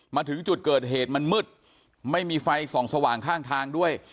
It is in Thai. มาถึงจุดเกิดเหตุมันมืดไม่มีไฟส่องสว่างข้างทางด้วย